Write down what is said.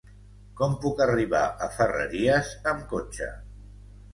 Com puc arribar a Ferreries amb cotxe?